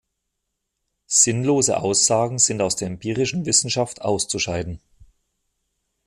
Sinnlose Aussagen sind aus der empirischen Wissenschaft auszuscheiden.